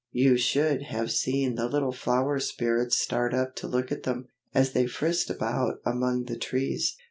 You should have seen the little flower spirits start up to look at them, as they frisked about among the trees.